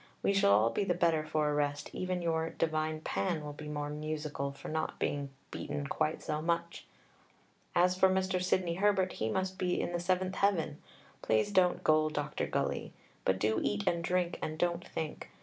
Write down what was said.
We shall all be the better for a rest. Even your 'divine Pan' will be more musical for not being beaten quite so much. As for Mr. Sidney Herbert, he must be in the seventh heaven. Please don't gull Dr. Gully, but do eat and drink and don't think.